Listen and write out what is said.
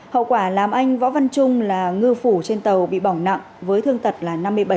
hậu quả làm anh võ văn trung là ngư phủ trên tàu bị bỏng nặng với thương tật là năm mươi bảy